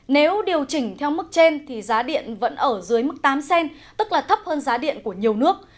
nếu điều chỉnh theo mức trên thì giá điện vẫn ở dưới mức tám cent tức là thấp hơn giá điện của nhiều nước